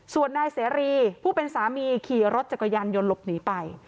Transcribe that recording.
ส่วนนายเสรีผู้เป็นสามีขี่รถจักรยานยนต์หลบหนีไป